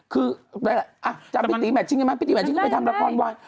คืออ่ะจำปิติแมทชิงไหมปิติแมทชิงไปทำละครวาย